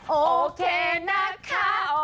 โอเคนะคะ